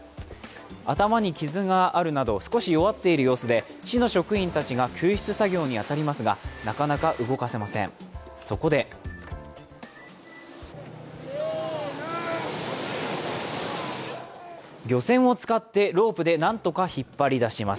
頭に傷があるなど、少し弱っている様子で救出作業に当たりますがなかなか動かせません、そこで漁船を使ってロープでなんとか引っ張り出します。